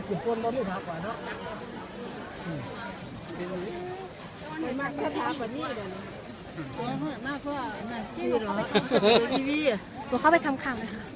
หนุ่มเข้าไปทำครามด้วยค่ะ